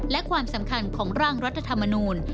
และความสำคัญของร่างรัฐธรรมนูล